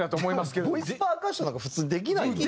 でもボイスパーカッションなんか普通できないよ。